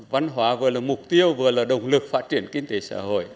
văn hóa vừa là mục tiêu vừa là động lực phát triển kinh tế xã hội